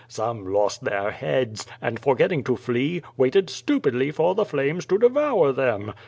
Some lost their heads, and, forgetting to flee, waited stupidly for the flames to devour them.